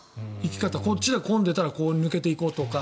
こっちが混んでたらこう抜けていこうとか。